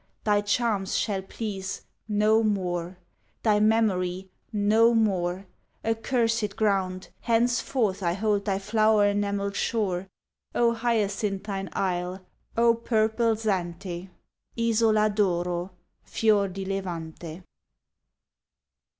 Thy charms shall please no more Thy memory no more! Accursèd ground Henceforth I hold thy flower enamelled shore, O hyacinthine isle! O purple Zante! "Isola d'oro! Fior di Levante!"